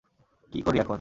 কি করি এখন।